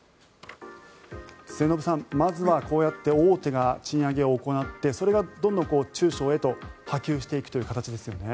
末延さん、まずはこうやって大手が賃上げを行ってそれがどんどん中小へと波及していくという形ですよね。